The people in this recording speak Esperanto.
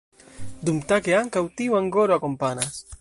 Dumtage, ankaŭ tiu angoro akompanas.